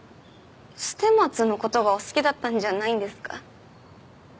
捨松の事がお好きだったんじゃないんですか？